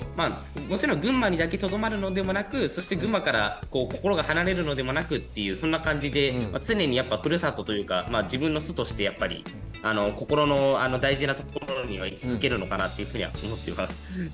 もちろん群馬にだけとどまるのでもなくそして群馬から心が離れるのでもなくっていうそんな感じで常にやっぱふるさとというか自分の巣としてやっぱり心の大事なところには居続けるのかなっていうふうには思っています。